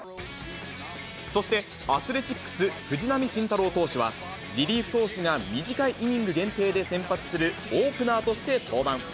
そして、アスレチックス、藤浪晋太郎投手は、リリーフ投手が短いイニング限定で先発するオープナーとして登板。